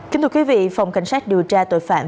kính thưa quý vị phòng cảnh sát điều tra tội phạm